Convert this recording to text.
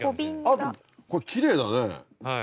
あっこれきれいだね。